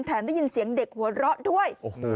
ได้ยินเสียงเด็กหัวเราะด้วย